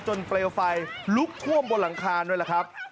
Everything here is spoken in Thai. เปลวไฟลุกท่วมบนหลังคาด้วยล่ะครับ